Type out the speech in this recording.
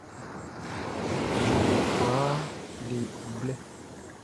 Like kwlaa le i blɛ.